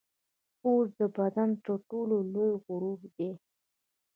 پوست د بدن تر ټولو لوی غړی دی.